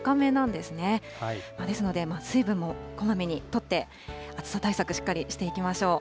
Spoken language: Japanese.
ですので水分もこまめにとって、暑さ対策、しっかりしていきましょう。